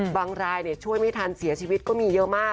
รายช่วยไม่ทันเสียชีวิตก็มีเยอะมาก